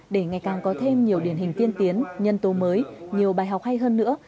để ngày càng có thêm nhiều điển hình tiên tiến nhân tố mới nhiều bài học hay hơn nữa